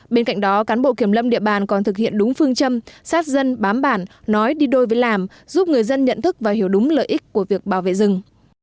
bên cạnh đó cán bộ kiểm lâm địa bàn còn thực hiện đúng phương châm sát dân bám bản nói đi đôi với làm giúp người dân nhận thức và hiểu đúng lợi ích của việc bảo vệ rừng